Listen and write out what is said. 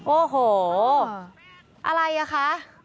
โอ้โหอะไรคะ